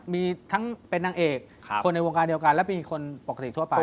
มีทั้งเป็นนางเอกคนในวงการเดียวกันและมีคนปกติทั่วไป